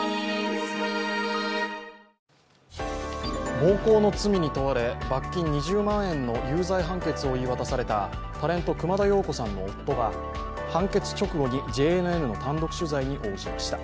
暴行の罪に問われ、罰金２０万円の有罪判決を言い渡されたタレント、熊田曜子さんの夫が判決直後にＪＮＮの単独取材に応じました。